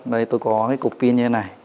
đây tôi có cái cục pin như thế này